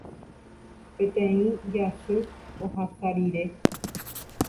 Peteĩ jasy ohasa rire.